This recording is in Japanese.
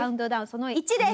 その１です。